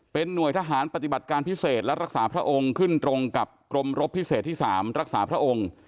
เป็นหน่วยทหารปฏิบัติการพิเศษและรักษาพระองค์ขึ้นตรงกับกรมรบพิเศษที่๓รักษาพระองค์